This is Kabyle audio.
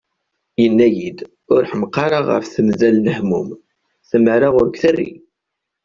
Yenna-iyi-d: « Ur ḥemmeq ara ɣer temda n lehmum, tamara ur k-terri!"